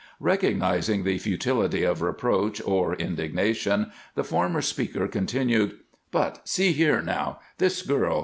Recognizing the futility of reproach or indignation, the former speaker continued: "But see here, now! This girl!